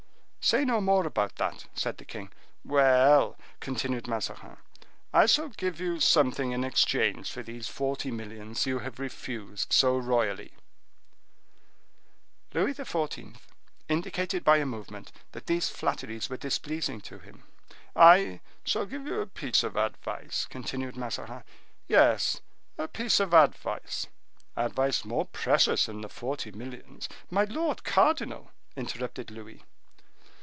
"Say no more about that," said the king. "Well!" continued Mazarin, "I shall give you something in exchange for these forty millions you have refused so royally." Louis XIV. indicated by a movement that these flatteries were displeasing to him. "I shall give you a piece of advice," continued Mazarin; "yes, a piece of advice—advice more precious than the forty millions." "My lord cardinal!" interrupted Louis.